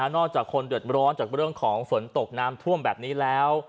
จากคนเดือดร้อนจากเรื่องของฝนตกน้ำท่วมแบบนี้แล้ว